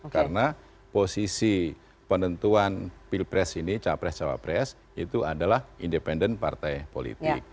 karena posisi penentuan pilpres ini capres cawapres itu adalah independen partai politik